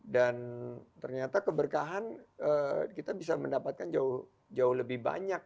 dan ternyata keberkahan kita bisa mendapatkan jauh lebih banyak